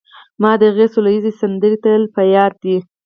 ما د هغې سوله ییزې سندرې تل په یاد دي